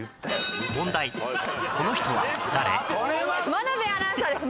真鍋アナウンサーです